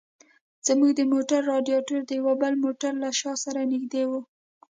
زموږ د موټر رادیاټور د یو بل موټر له شا سره نږدې و.